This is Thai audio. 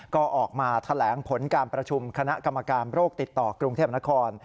ก็ออกมาแถลงผลการประชุมคณะกรรมการโรคติดต่อกรุงเทพนคร